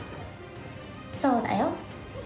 そうだよ。